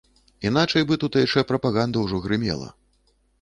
Іначай бы тутэйшая прапаганда ўжо грымела.